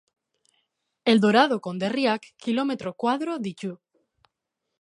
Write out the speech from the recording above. El Dorado konderriak kilometro koadro ditu.